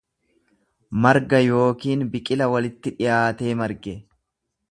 marga yookiin biqila walitti dhiyaatee marge.